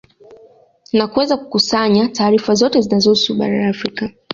Na kuweza kukusanaya taarifa zote zinazohusu bara la Afrika